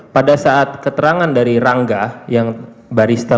pada saat keterangan dari rangga yang baristen saya mencari